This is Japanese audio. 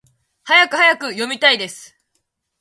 はやくはやく！読みたいです！